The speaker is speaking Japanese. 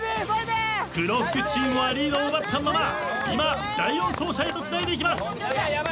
黒服チームはリードを奪ったまま今第四走者へとつないでいきます。